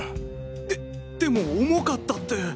ででも重かったって。